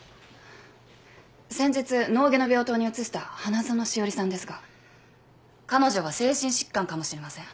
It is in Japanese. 先日脳外の病棟に移した花園詩織さんですが彼女は精神疾患かもしれません。